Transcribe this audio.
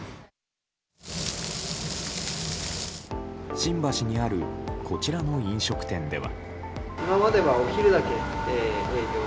新橋にあるこちらの飲食店では。